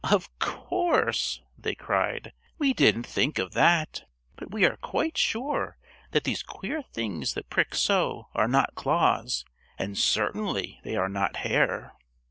"Of course," they cried. "We didn't think of that. But we are quite sure that these queer things that prick so are not claws, and certainly they are not hair."